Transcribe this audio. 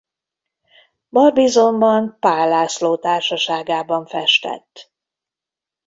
Barbizonban Paál László társaságában festett.